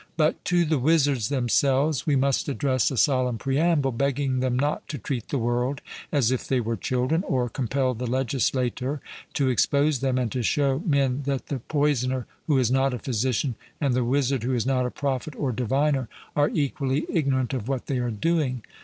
But to the wizards themselves we must address a solemn preamble, begging them not to treat the world as if they were children, or compel the legislator to expose them, and to show men that the poisoner who is not a physician and the wizard who is not a prophet or diviner are equally ignorant of what they are doing.